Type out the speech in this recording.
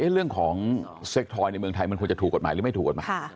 เรื่องของเซ็กทอยในเมืองไทยมันควรจะถูกกฎหมายหรือไม่ถูกกฎหมาย